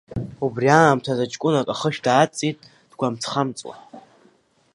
Убри аамҭазы ҷкәынак ахышә даадҵит дгәамҵхамҵуа…